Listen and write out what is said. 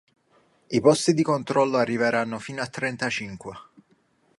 I posti di controllo arriveranno fino a trentacinque.